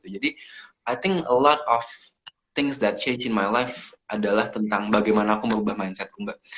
jadi i think a lot of things that changed in my life adalah tentang bagaimana aku merubah mindsetku mbak